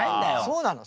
そうなの。